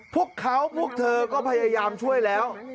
พวกเขาพวกเธอก็พยายามช่วยแล้ว